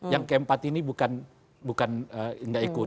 yang keempat ini bukan tidak ikut